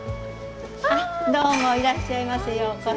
あっどうもいらっしゃいませようこそ。